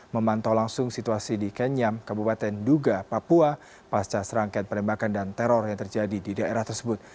memantau langsung situasi di kenyam kabupaten duga papua pasca serangkaian penembakan dan teror yang terjadi di daerah tersebut